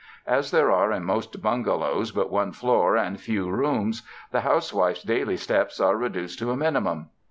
As there are in most bungalows but one floor and few rooms, the housewife's daily steps are reduced to a minimum.